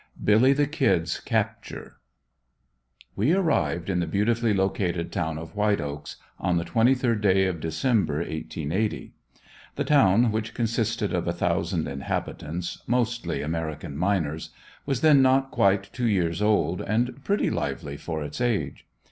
BILLY THE KID'S CAPTURE We arrived in the beautifully located town of White Oaks on the 23d day of December, (1880). The town, which consisted of 1000 inhabitants, mostly American miners, was then not quite two years old and pretty lively for its age.